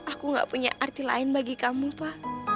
aku gak punya arti lain bagi kamu pak